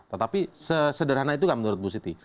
tetapi sederhana itu tidak menurut bu siti